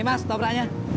nih mas tobraknya